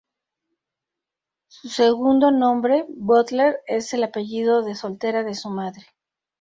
Su segundo nombre, Butler, es el apellido de soltera de su madre.